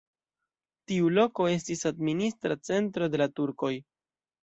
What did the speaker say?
Tiu loko estis administra centro de la turkoj.